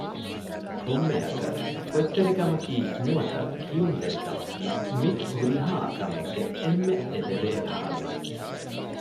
ކޮންމެއަކަސް ފޮތްތެރިކަމަކީ ނުވަތަ ކިޔުންތެރިކަމަކީ މި ހުރިހާ ކަމެއްގެ އެންމެ އެދެވޭ ޙައްލު